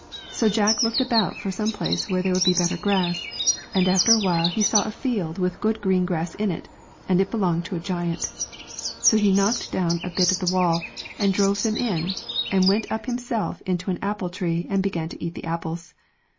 So Jack looked about for some place where there would be better grass, and after a while he saw a field with good green grass in it, and it belonging to a giant. So he knocked down a bit of the wall and drove them in, and he went up himself into an apple tree and began to eat the apples.